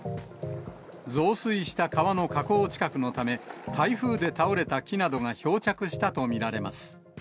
増水した川の河口近くのため、台風で倒れた木などが漂着したと見られます。